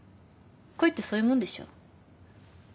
恋ってそういうもんでしょ？